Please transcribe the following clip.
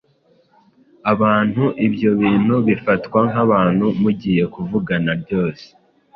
abantu, ibyo bintu bifatwa nk’abantu mugiye kuvugana ryose